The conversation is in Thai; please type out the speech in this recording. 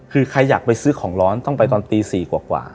คือใครอยากไปซื้อของร้อนต้องไปตอนตี๔กว่า